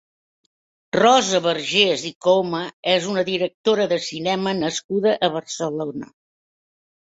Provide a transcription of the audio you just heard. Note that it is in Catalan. Rosa Vergés i Coma és una directora de cinema nascuda a Barcelona.